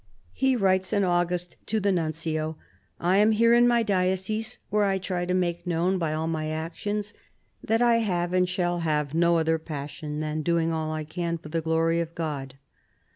He writes in August to the Nuncio :" I am here in my diocese, where I try to make known by all my actions that I have and shall have no other passion than doing all I can for the glory of God."